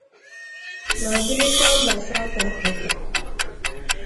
ma birikwa mba South Africa